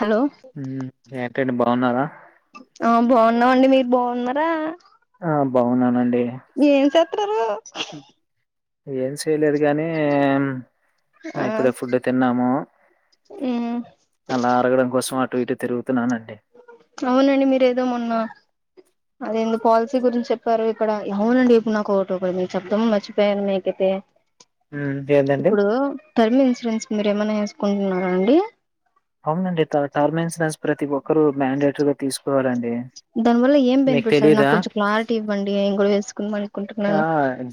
Hello హ్మ్. ఏంటండి బాగున్నారా? ఆ బాగున్నావండి మీరు బాగున్నారా ఆ బాగున్నానండి ఏం చేత్రునారు ఏం చేయలేదు గానీ ఆ ఇప్పుడే ఫుడ్ తిన్నాము ఉమ్ అలా అరగడం కోసం అ బయట తీరు అవునండి మీరేదో మొన్న అదేందు పాలసీ గురించి చెప్పారు ఇక్కడ అవునండి ఇప్పుడు నా కో ఒకటి ఇడ మీరు చెప్దామని మర్చిపోయాను మీకైతే హ్మ్. ఏందండి? ఇప్పుడు టర్మ్ ఇన్సూరెన్స్ మీరు ఏమన్నా వేసుకుంటున్నారా అండి అవునండి టర్మన్స్స్ ప్రతి ఒక్కరు మ్యాండేటరీగా తీసుకోవాలండి దాని వల్ల ఏం మీకు బెనిఫిట్స్ అది నాకు తెలీదా? కొంచం క్లారిటీ ఇవ్వండి నేన్ కూడా వేసుకొని మరి ఆ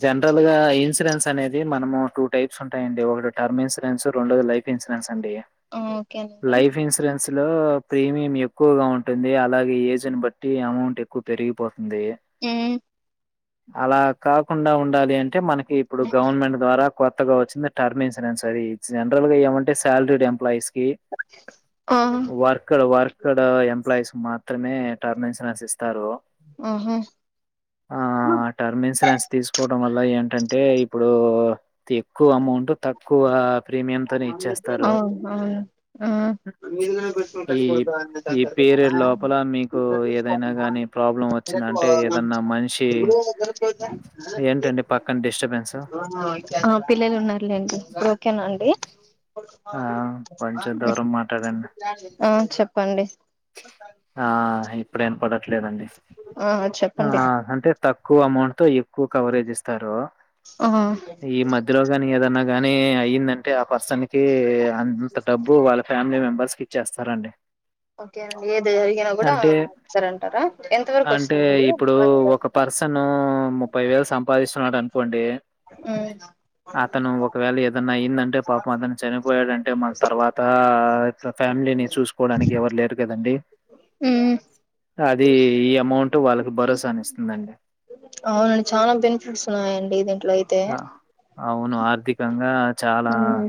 జనరల్గా ఇన్సూరెన్స్ అనేది మనము టూ టైప్ ఉంటాయండి ఒకటి టర్మ్ ఇన్సూరెన్స్ రెండోది లైఫ్ ఇన్సూరెన్స్ అండి ఆ ఓకేనండి లైఫ్ ఇన్సూరన్స్ లో ప్రీమియం ఎక్కువగా ఉంటుంది అలాగే ఏజ్ ని బట్టి అమౌంట్ ఎక్కువ పెరిగిపోతుంది ఉమ్ అలా కాకుండా ఉండాలి అంటే మనకి ఇప్పుడు గవర్నమెంట్ ద్వారా కొత్తగా వచ్చింది టర్మ్ ఇన్సూరెన్స్ అది జనరల్ గా ఏమంటే సల్రీడ్ ఎంప్లాయీస్ కి ఆ వర్కడ్ వర్కడ్ ఎంప్లాయీస్ మాత్ర త్రమే టర్మ్ ఇన్సూరెన్స్ ఇస్త్ ఓహు ఆ టర్మ్ ఇన్సూరెన్స్ తీసుకోవడం వల్ల ఏంటంటే ఇప్పుడు ఎక్కువ అమౌంట్ తక్కువ ప్రీమియం తోనే ఇచ్చేస్తారు ఈ ఈ [unintelligible] పీరియడ్ లోపల మీకు ఏదైనా గాని ప్రాబ్లం వచ్చిందంటే ఏదన్నా మనిషి పోత ఏంటండి పక్కన డిస్టర్బెన్స్ పిల్లలు ఉన్నారులేండి ఓకేనా అండి ఆ కొంచెం దూరం మాట్లాడండి ఆ చెప్పండి ఆ ఇప్పుడ వినపడట్లే లేదండి ఆ ఆ చెప్పండి అంటే తక్కువ అమౌంట్ తో ఎక్కువ కవరేజ్ ఇస్తారు ఆ ఈ మధ్యలోగాని ఏదాన్నా కాని అయ్యిందంటే ఆ పర్సన్ కి అంత డబ్బు వాళ్ళ ఫ్యామిలీ మెంబర్స్ కి చేస్తారంండి ఓకే అండి ఏది జరిగినా కూడా సర అంటారా ఎంత వరకు వస్తుందండి అన్ని కలిపి సన్ను ముపైవేలూ సంపాదిస్తున్నాడా మ్ అతను ఒకవేళ ఏదన్నా అయ్యిందంటే పాపం అతను చనిపోయాడంటే మలి తర్వాత ఫ్యామిలీని చూసుకోవడానికి ఎవరు లేరు కదండి ఉమ్ అది ఈ అమౌంట్ వాళ్ళకి భరోసానిస్తుందండి అవునండి చాలా బెనిఫిట్స్ ఉన్నాయండి దీంట్లో అయితే ఆ! అవును ఆర్థికంగా చాలా ఉమ్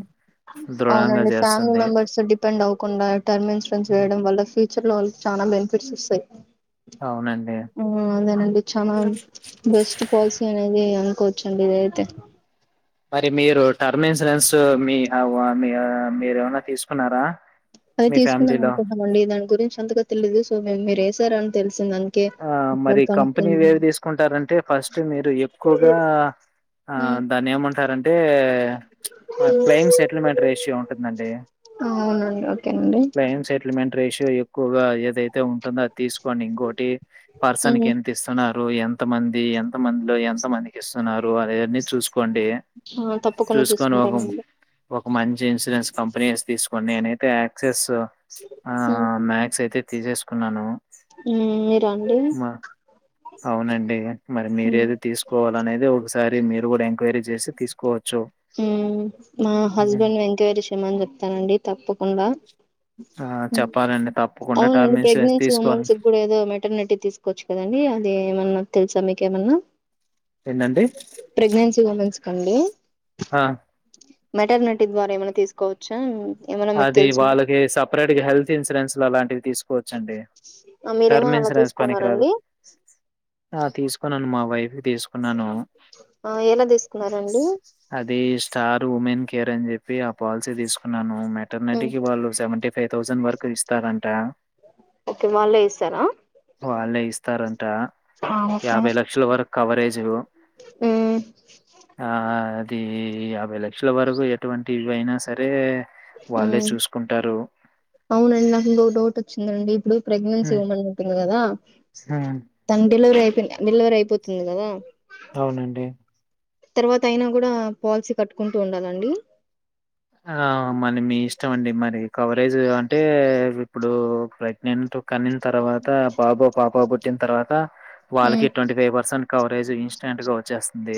దృఢంగా అవునండి ఫ్యామిలీ చేస్తుంది. మెంబర్స్ డిపెండ్ అవకుండా టర్మ్ ఇన్సూరెస్ హ్మ్. వెయడం వల్ల ఫ్యూ ఫ్యూచర్లో వాళ్ళకి చాన బెనిఫిట్స్ వస్తాయి అవునండి. ఆ అదేనండి చన బెస్ట్ పాలసీ అనేది ఆ కూర్చోండి ఇద అయితే మరి మీరు టర్మ్ ఇన్సూరెన్స్ మీ మీ మీరు ఏమనా తీసుకున్నారా అది మీ తీసుకుందాం ఫ్యామిలీలో? అనుకుున్నాం అండి దాని గురించి అంతగా తెలిదు సో మేము మీరు ఏసారు అని తెలు ఆ మరి కంపెనీవేవి తీసుకుంటారంటే ఫస్ట్ మీరు ఎక్కువగా ఆ దాన్ని ఏమంటారంటే క్లెయిమ్ సెటిల్మెంట్ రేషియో ఉంటుందండి అవునండి ఓకేనండి క్లెయిమ్ సెటిల్మెంట్ రేషియో ఎక్కువగా ఏదైతే ఉంటుందో అది తీసుకోండి ఇంకోొటి పర్సన్ కి ఎంత ఇస్తున్నారు ఎంత మంది ఎంత మందిలో ఎంత మందికి ఇస్తున్నారు ఆయన్ని చూసు కోండి తప్పకుండా చూసుకొని చూసుకుంటానండి ఒక ఒక మంచి ఇన్సూరెన్స్ కంపెనీ తీసుకోని నేనైతే యాక్సెస్ ఆ మ్యాక్స్ అయితే తీసేసుకున్నాను మీరండి మ అవునండి మరి మీర ఏది తీసుకోవాల అనేది ఒకసారి మీరు కూడా ఎంక్వైరీ చేసి తీసుకోవ మా హస్బెండ్ ఎంక్వయిరీ చెయ్యమని చెప్తానండి తప్పకుండా ఆ చెప్పాలండి తప్పకుండా అవునండి టర్మ్ ఇన్సూరెన్స్ ప్రెగ్నెన్సీ తీసుకోవాలి. ఉమెన్స్ కూడా ఏదో మెటర్నిటీ తీసుకోవచ్చు కదండి అది ఏమన్నా తెలుసా మీకేమన్నా ఏంటండి? ప్రెగ్నెన్సీ ఉమెన్స్ కండి ఆ మీటర్నేటి ద్వారా ఏమైనా తీసుకోవచ్చా ఏమైనా మీకు అది తెలిసింద వాళ్ళకి సపరేట్ గా హెల్త్ ఇన్సూరెన్స్ లో అలాంటివి తీసుకోవచ్చండి టర్మ్ మీరేమన్నా అలా ఇన్సూరెన్స్ పనికిరాదు తీసుకున్నారండి ఆ తీసుకున్నాను మా వైఫ్ తీసుకున్నాను ఎలా తీసుకున్నారండి అది స్టార్ ఉమెన్ కేర్ అని చె ఆ పాలసీ తీసుకున్నాను మెటర్నిటీకి వాళ్ళు సెవెంటీ ఫైవ్ థౌజండ్ వరకు ఇస్తారంట ఓకే వాళ్లే ఇస్తారా వాళ్ళే ఇస్తారంట యాభై లక్షల వరకు కవరేజు మ్ ఈ యాభై లక్షల వరకు ఎటువంటి ఇవైనా సరే వాళ్ళే మ్ చూసుకుంటారు. అవునండి నాకు ఇంకో డౌట్ వచ్చిందండి ఇప్పుడు ప్రెగ్నెన్సీ హ్మ్. ఉమెన్ ఉంటుంది కదా హ్మ్. తన డెలివరీ అయిపోయి డెలివరీ అయిపోతుంది కదా అవునండి తర్వాత అయినా కూడా పాలసీ కట్టుకుంటూ ఉండాలండి ఆ మరి మీ ఇష్టం అండి మరి కవరేజ్ అంటే ఇప్పుడు ప్రెగ్నెన్ట్ కన్నిన తర్వాత బాబో పాప పుట్టిన తర్వాత హ్మ్ వాళ్ళకి twenty five percent coverage instant గా వచ్చేస్తుంది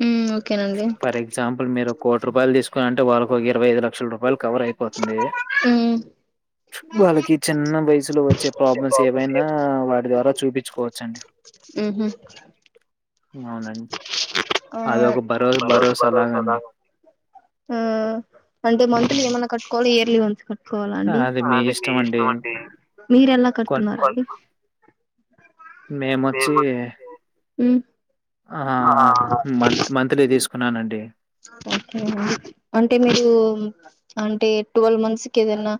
హ్మ్ ఓకేనండి ఫర్ ఎగ్జామ్ పుల్ మీరు కోటి రూపాయలు తీసుకుని అంటే వారు కవర్ అయిపోతుంది హ్మ్ వాళ్ళకి చిన్న వయసులో వచ్చే ప్రాబ్లమ్స్ ఏవైనా వాటి ద్వారా చూపించుకోవచ్చండి ఉహు అవునండి అదో ఒక భరో భరోసా లాగండి ఆ అంటే మంతలీ ఏమన్నా కట్టుకోవాల్ల ఇయర్లి ఉ కోవాలండి అది మీ ఇష్టం అండి. మీరు ఎలా కడుతున్నారు అండి మేమోచ్చి మ్మ్ ఆ మంత్ మంత్లీ తీసుకున్నానండి ఓకెనా అంటే మీరు అంటే ట్వల్వ్ మంత్స్ కి ఏదన్నా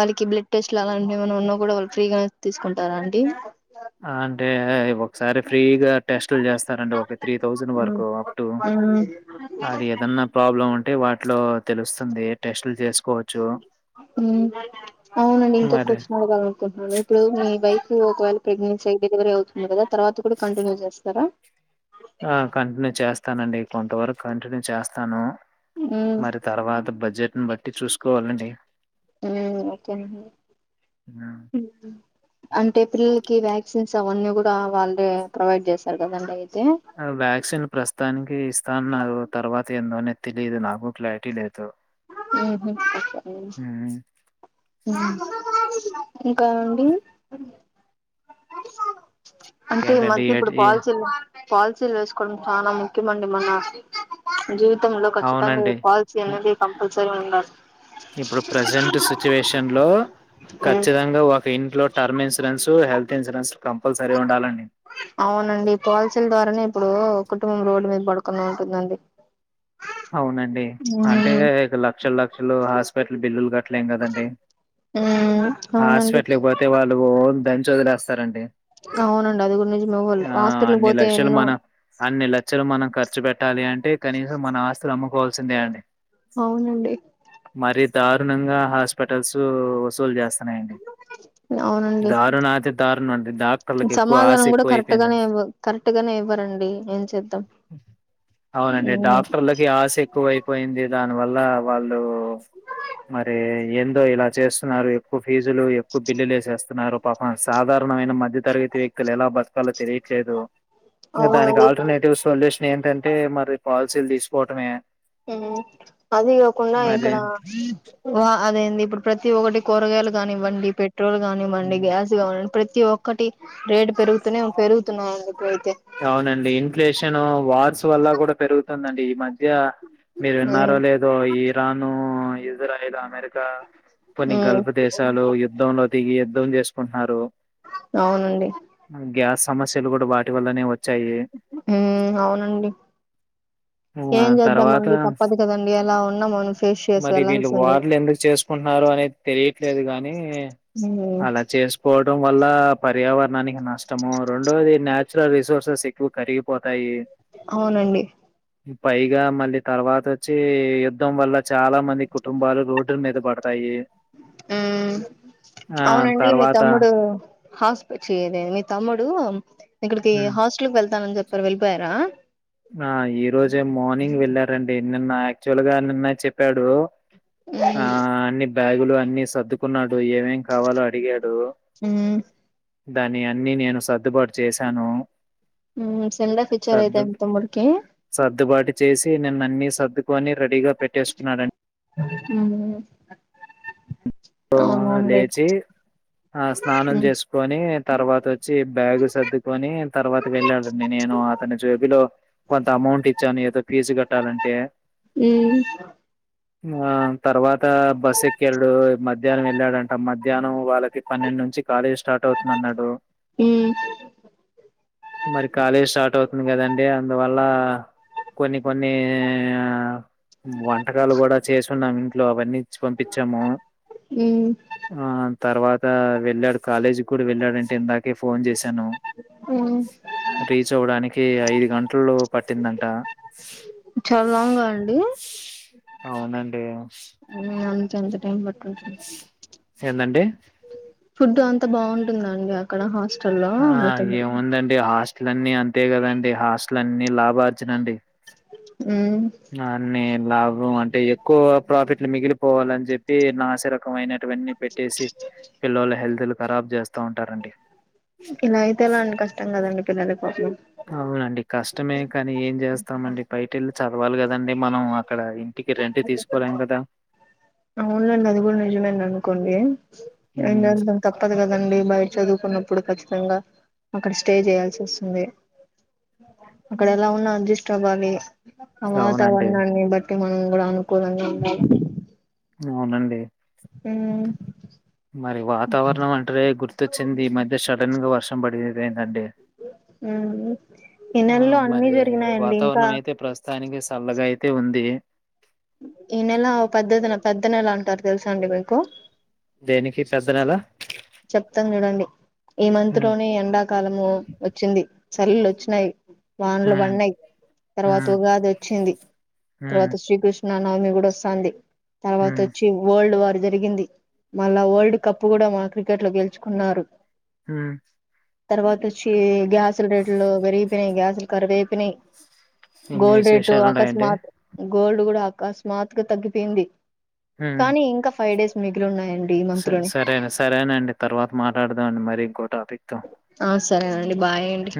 వాళ్ళకి బ్లడ్ టెస్ట్ లాగా ఏమన్నా ఉన్నా కూడా వాళ్ళు ఫ్రీగా తీసుకుంటారా అండి ఆ అంటే ఒకసారి ఫ్రీగా టెస్ట్లు చేస్తారండి ఒక త్రీ థౌజండ్ వరకు అప్ టు అడ ఏదన్నా ప్రాబ్లం ఉంటే వాటిలో తెలుస్తుంది టెస్ట్లు చేసుకోవచ్చు మ్మ్ అవునండి ఇంకొ మరి క్వశన్ అడగాల్ల అనుకుంటున్నాను ఇప్పుడు మీ వైప్ కి ఒకవేళ ప్రెగ్నెన్సీ అయ్యి డెలివరీ అవుతుంది కదా తర్వాత కూడా కంటిన్యూ చేస్తారా ఆ కంటిన్యూ చేస్తానండి కొంతవరకు కంటిన్యూ చేస్తాను మ్మ్ మరి తర్వాత బడ్జెట్న్ బట్టి చూసుకోవాలండి మ్మ్ ఓకే నండి హ్మ్. అంటే పిల్లలకి వ్యాక్సిన్స్ అవన్నీ కూడా వాళ్ళు ప్రొవైడ్ చేస్తారు కదండి అవి వ్యాక్సిన్ ప్రస్తుతానికి ఇస్తాన్నారు తర్వాత ఏందోని తెలియదు నాకు క్లారిటీ లేదు ఉహు చెప్పాలి హ్మ్. హ్మ్ ఇంకా అండి అంటే ఈ ఇంకేంటంటే మధ్య ఇప్పుడు ఏటి పాల్చీలు పాలసీలు వేసుకోవడం చాలా ముఖ్యమండి మన జీవితంలో ఖచ్చితాంగా ఓ అవునండి. పాలిసీ ఇ అనేది కంపల్సరి ఉండాలి ఇప్పుడు ప్రజెంట్ సిచ్యువేషన్ లో ఉమ్ ఖచ్చితంగా ఒక ఇంట్లో term insurance health insurance compulsory ఉండాలండి. అవునండి పాలసీల ద్వారానే అప్పుడు కుటుంబం రోడ్డు మీద పడుకుండ ఉంటుందండి అవునండి ఉమ్ అంటే లక్షల లక్షలు హాస్పిట్ల బిల్లులు బిల్లులు కట్టలేం కదండి మ్మ్ హాస్పిటల్కి పోతే వాళ్ళు ఓ దాంచి వాదిలేస్తారండి అవునండి అది కూడా నిజమే వొళ్ళు హాస్పిటల్ కి పోతే ఎన్నో మన అన్ని లక్షలు మనం ఖర్చు పెట్టాలి అంటే కనీసం మన ఆస్తులు అమ్ముకోవాల్సిందే అండి అవునండి మరీ దారుణంగా హాస్పిటల్స్ వసూలు చేస్ యండి అవునండి దారుణాతి దారుణంగా సమాధానం కూడా కరెక్ట్ గానే ఇవ్వ కరెక్ట్ గానే ఇవ్వరండి ఏం చేద్దాం అవునండి ఉమ్ డాక్టర్లకి ఆశ ఎక్కువైపోయింది దాని వల్ల వాళ్ళు మరి ఏందో ఇలా చేస్తున్నారు ఎక్కువ ఫీజులు ఎక్కువ బిల్లులు వేసేస్తున్నారు పాపం సాధారణమైన మధ్య తరగతి వ్యక్తులు ఎలా బతక బతుక లో తెలియట్లేదు ఇంక దానికి అవునండి ఇప్పుడు ఆల్టర్నేటివ్ సొల్యూషన్ ఏంటంటే మరి పాలసీలు తీసుకు పోటమే హు అది ఇవ్వకుండా మరి ఇక్కడ అదేంది ఇప్పుడు ప్రతి ఒక్కటి కూరగాయలు కానివ్వండి పెట్రోల్ కానివ్వండి హ్మ్. గ్యాస్ కానివ్వండి ప్రతి ఒక్కటి రేడ్ పెరుగుతునే పెరుగుతున్నా అవునండి ఇన్ఫ్లేషన్ వార్స్ వల్ల కూడా పెరుగుతుందండి ఈ మధ్య మీరు ఉమ్ విన్నారో లేదో ఇరాను ఇజ్రాయల్ అమెరికా కొన్ని ఉమ్ గల్ఫ్ దేశాలు యుద్ధలో దిగి యుద్ధం చేసుకుంటున్నారు అవునండి గ్యాస్ సమస్యలు కూడా వాటి వల్లనే వచ్చ హు అవునండి ఆ ఏం తర్వాత చేద్దామండి తప్పదు కదండి అలా ఉన్నా మనం ఫేస్ చేసి మరి వీళ్ళు వెళ్లాల్సిందే వాట్లు ఎందుకు చేసుకుంటున్నారో అనే తెలియట్లేదు గానీ ఉమ్ అలా చేసుకోవడం వల్ల పర్యావరణానికి నష్టము రెండోది నేచురల్ రిసోర్సెస్ ఎక్కువ కరిగిపోతాయి అవునండి పైగా మళ్ళీ తర్వాత వచ్చి యుద్ధం వల్ల చాలా మంది కుటుంబాలు రోడ్ల మీద పడతాయి ఉ ఆ అవునండి మీ తర్వాత తమ్ముడు హాస్టల్ చేయదే మీ తమ్ముడు ఇక్కడికి ఉమ్, హాస్టల్కి వెళ్తానని చెప్పారు వెళ్ళిపోయారా ఆ ఈ రోజే మార్నింగ్ వెళ్లారండి నిన్న యాక్చువల్ గా నిన్న చెప్పాడు ఆ ఉమ్ అన్ని బ్యాగులు అన్ని సర్దుకున్నాడు ఏమేం కావాలో అడిగాడు హు దాని అన్ని నేను స సద్దుబాటు చేశాను ఉ సెండ్ ఆఫ్ ఇచ్చారు అయితే సర్దు మీ తమ్ముడు సర్దుబాటు చేసి నిన్నన్ని సర్దుకొని రెడీగా పెట్టేసుకున్నాడని హు సో, అవునండి లేచి ఆ స్నానం చేసుకొని తర్వాత వచ్చి బ్యాగు సర్దుకొని తర్వాత వెళ్ళాడండి నేను నేను అతని జేబులో కొంత అమౌంట్ ఇచ్చాను ఏదో ఫీజు కట్టాలంటే ఉహ్ ఆ తర్వాత బస్ ఎక్కెళ్ళడు మధ్యాహ్నం వెళ్ళాడంట మధ్యాహ్నం వాళ్ళ పన్నెండు నుంచి కాలేజ్ స్టార్ట్ అవుతుంది అన్నాడు ఉమ్ మరి కాలేజీ స్టార్ట్ అవుతుంది కదండి అందువల్ల కొన్ని కొన్ని వంటకాలు కూడా చేసున్నాము ఇంట్లో అవన్నీ ఇచ్చి పంపించాము ఉమ్ ఆ తర్వాత వెళ్ళాడు కాలేజీ కూడా వెళ్ళాడంటే ఇందాక ఫోన్ చేశాను ఉమ్ రీచ్ అవ్వడానికి ఎ ఐదు గంటల్లో పట్టిందంట చాలా లాంగ్ అండి అవునండి ఎంత టైం పడతది ఏందండి ఫుడ్ అంత బాగుంటుందండి అక్కడ హాస్టల్ ఆ ఏముందండి హాస్టల్ అన్ని అంతే కదండి హాస్టల్ అన్ని లాభార్జనండి ఉమ్ అన్ని లాభం అంటే ఎక్కువ ప్రాఫిట్లు మిగిలిపోవాలని చెప్పి నాశ రకమైన రకమైన న్న పెట్టేసి పిల్లల హెల్త్ ఖరాబ్ చేస్త ఇలా అయితే ఎలా అండి కష్టం కదండి పిల్లల కోపం అవునండి కష్టమే కానీ ఏం చేస్తామండి బయట వెళ్ళి చదవాలి కదండి మనం అక్కడ ఇంటికి రెంట్ తీసుకోలేం కదా అవునులేండి అది కూడా నిజమేని అనుకోండి హ్మ్. అం తప్పదు కదండి బయట చదువుకున్న ఇప్పుడు కచ్చితంగా అక్కడ స్టే చేయాల్సి వస్తుంది అక్కడ ఎలా ఉన్నా అడ్జస్ట్ అవ్వాలి ఆ అవునండి. వాతావరణాన్ని బట్టి మనం కూడా అనుకూలంగా ఉండా అవునండి హ్మ్ మరి వాతావరణం అంటే గుర్తొచ్చింది ఈ మధ్య సడన్ గా వర్షం పడి ఇదయ్యిందండి హ్మ్ ఈ నెలలో అన్ని జరిగినాయండి ఇంకా త్తానికి సల్లగా అయితే ఉంది. ఈ నెల పెద్దదిన పెద్ద నెల అంటారు తెలుస అండి మీకు. దేనికి పెద్ద నెలా? చెప్తాను చూడండి ఈ మంత్ హ్మ్. లోనే ఎండాకాలము వచ్చింది. చలులు వచ్చినాయి వానలు హ్మ్. పడినాయి తర్వాత హ్మ్. ఉగాది వచ్చింది హ్మ్. తర్వాత శ్రీకృష్ న నవమి కూడా వస్తాంది తర్వాత హ్మ్. వచ్చి వరల్డ్ వార్ జర్ రిగింది మళ్ళా వరల్డ్ కప్ గూడ మొన్న క్రికెట్ లో గెలుచుకున్నారు. హ్మ్. తర్వాత వచ్చి గ్యాసు లు రేట్ లు పెరిగ్ పోయినై గ్యాసులు కరువై పోయినై ఇన్ని గోల్డ్ రేటు విశేషాలు ఉన్నాయండి. అకస్మాత్ గోల్డ్ గూడ అకస్మాత్ గా తగ్గిపోయింది హ్మ్. కానీ ఇంకా ఫైవ్ డేస్ మిగిలిన్నాయండ్ డి ఈ స మంత్ లోనే సరేన సరేనండి తర్వాత మాట్లాడదామండి మరి ఇంకో టాపిక్ తో ఆ సరేనండి బాయ్ అండి.